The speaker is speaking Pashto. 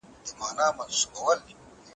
تاسي کله د سرلوړي او عزت احساس وکړی؟